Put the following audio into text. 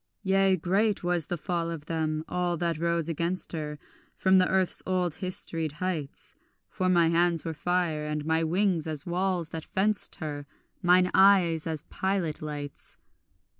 Yea, great was the fall of them, all that rose against her, From the earth's old historied heights; For my hands were fire, and my wings as walls that fenced her, Mine eyes as pilot lights.